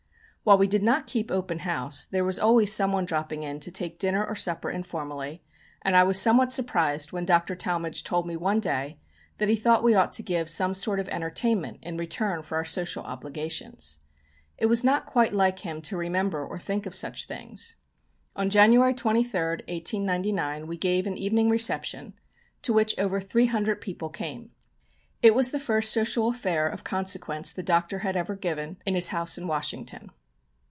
While we did not keep open house, there was always someone dropping in to take dinner or supper informally, and I was somewhat surprised when Dr. Talmage told me one day that he thought we ought to give some sort of entertainment in return for our social obligations. It was not quite like him to remember or think of such things. On January 23, 1899, we gave an evening reception, to which over 300 people came. It was the first social affair of consequence the Doctor had ever given in his house in Washington.